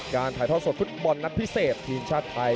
การถ่ายทอดสดฟุตบอลนัดพิเศษทีชัดไทย